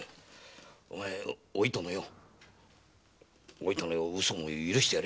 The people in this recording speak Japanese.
お糸の嘘も許してやれ。